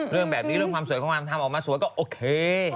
เรื่องแบบนี้เรื่องความสวยความทำออกมาสวยก็โอเค